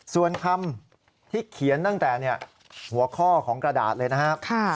ส่วนคำที่เขียนตั้งแต่หัวข้อของกระดาษเลยนะครับ